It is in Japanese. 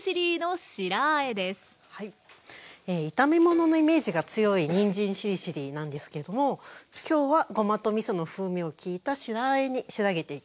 炒め物のイメージが強いにんじんしりしりーなんですけれども今日はごまとみその風味の利いた白あえに仕上げていきます。